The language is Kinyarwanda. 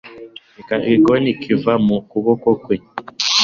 reka igikoni kiva mu kuboko kwe